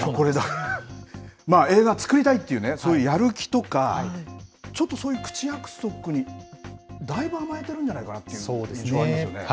映画作りたいというね、そういうやる気とか、ちょっとそういう口約束にだいぶ甘えてるんじゃないかなという印そうですね。